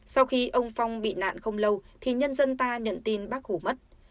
sau khi ông phong bị nạn không lâu thì nhân dân ta nhận tin bác hủ mất